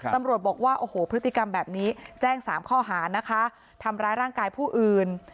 ตำรวจบอกว่าโอ้โหพฤติกรรมแบบนี้แจ้งสามข้อหานะคะทำร้ายร่างกายผู้อื่น